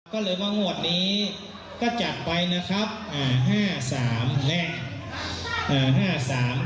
ก็เลยว่างวดนี้ก็จัดไปนะครับอ่าห้าสามและเอ่อห้าสาม